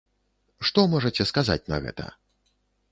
Што можаце сказаць на гэта?